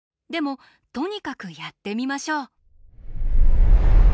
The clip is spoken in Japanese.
でもとにかくやってみましょう。